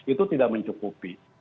itu tidak mencukupi